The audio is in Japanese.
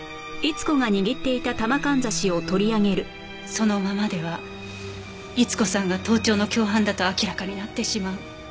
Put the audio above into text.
そのままでは伊津子さんが盗聴の共犯だと明らかになってしまう。